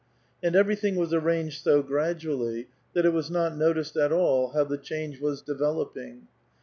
And everything was ^JT'^nged so gradually that it was not noticed at all how the ®^^^ge was developing.